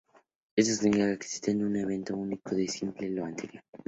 Esto significa que existe un evento único si se cumple lo anterior.